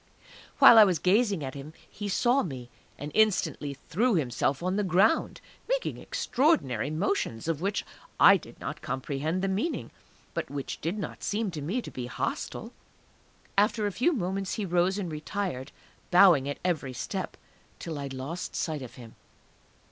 While I was gazing at him he saw me, and instantly threw himself on the ground, making extraordinary motions, of which I did not comprehend the meaning, but which did not seem to me to be hostile. After a few moments he rose and retired, bowing at every step, till I lost sight of him.